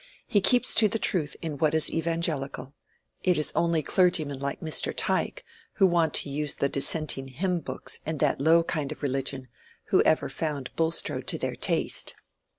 He keeps to the truth in what is evangelical. It is only clergymen like Mr. Tyke, who want to use Dissenting hymn books and that low kind of religion, who ever found Bulstrode to their taste."